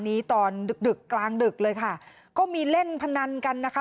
ตอนดึกดึกกลางดึกเลยค่ะก็มีเล่นพนันกันนะคะ